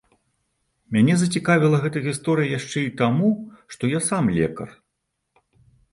Мяне зацікавіла гэта гісторыя яшчэ і таму, што я сам лекар.